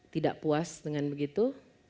tidak puas dengan begitu